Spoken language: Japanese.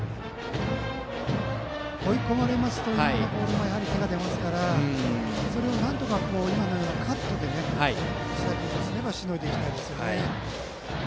追い込まれると今のボールにも手が出るのでそれをなんとか今のようにカットして石田君としてはしのいでいきたいですね。